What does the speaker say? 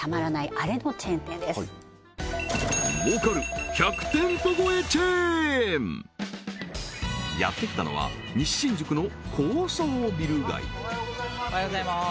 アレのチェーン店ですやってきたのは西新宿の高層ビル街おはようございます